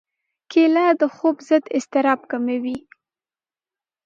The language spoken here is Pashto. کېله د خوب ضد اضطراب کموي.